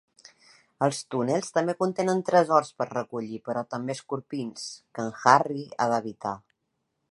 Els túnels també contenen tresors per recollir però també escorpins, que en Harry ha d'evitar.